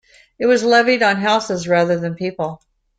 It was levied on houses rather than people.